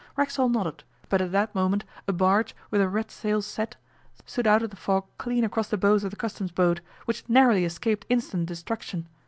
Racksole nodded, but at that moment a barge, with her red sails set, stood out of the fog clean across the bows of the Customs boat, which narrowly escaped instant destruction.